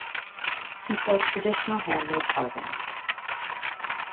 He sells traditional handmade carvings.